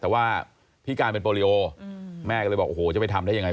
แต่ว่าพิการเป็นโปรลิโอแม่ก็เลยบอกโอ้โหจะไปทำได้ยังไง